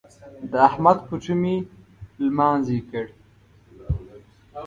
د احمد پټو مې لمانځي کړ.